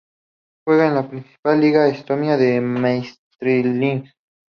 Juega en la principal liga de Estonia, la "Meistriliiga".